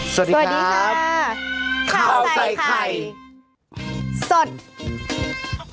สวัสดีครับค่าวใส่ไข่สด